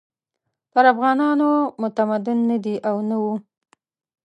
تر افغانانو متمدن نه دي او نه وو.